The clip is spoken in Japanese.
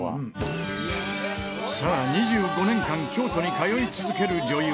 さあ２５年間京都に通い続ける女優